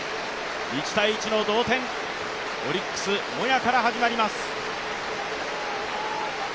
１−１の同点、オリックス、モヤから始まります。